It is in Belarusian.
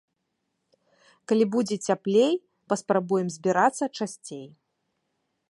Калі будзе цяплей, паспрабуем збірацца часцей.